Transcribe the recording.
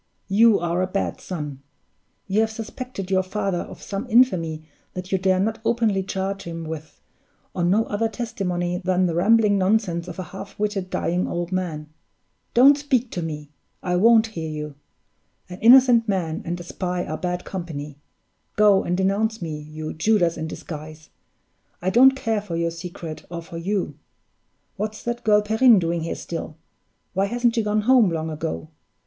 You are a bad son! You have suspected your father of some infamy that you dare not openly charge him with, on no other testimony than the rambling nonsense of a half witted, dying old man. Don't speak to me! I won't hear you! An innocent man and a spy are bad company. Go and denounce me, you Judas in disguise! I don't care for your secret or for you. What's that girl Perrine doing here still? Why hasn't she gone home long ago?